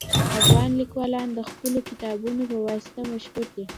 افغان لیکوالان د خپلو کتابونو په واسطه مشهور دي